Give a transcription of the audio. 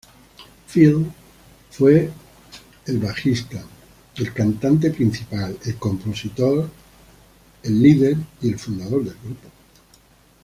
Phil fue el bajista, cantante principal, compositor, líder y fundador del grupo.